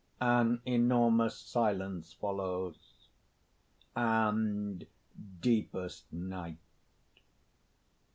(_An enormous silence follows, and deepest night.